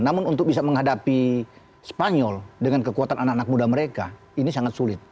namun untuk bisa menghadapi spanyol dengan kekuatan anak anak muda mereka ini sangat sulit